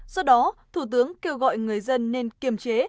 do đó thủ tướng kêu gọi người dân nên kiềm chế